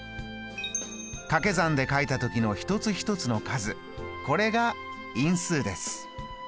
かけ算で書いた時の一つ一つの数これが因数です。